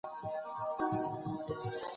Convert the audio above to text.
ټولنيز علوم د سياست پوهني سره نژدې اړيکي لري.